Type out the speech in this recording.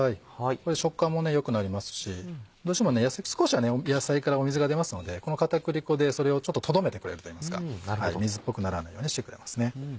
これで食感も良くなりますしどうしても少しは野菜から水が出ますのでこの片栗粉でそれをちょっととどめてくれるといいますか水っぽくならないようにしてくれますね。